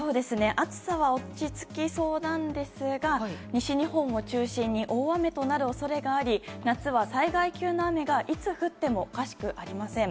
暑さは落ち着きそうなんですが西日本を中心に大雨となる恐れがあり夏は災害級の雨がいつ降ってもおかしくありません。